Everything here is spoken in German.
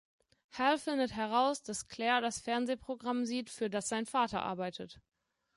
Hal findet heraus, dass Claire das Fernsehprogramm sieht, für das sein Vater arbeitet.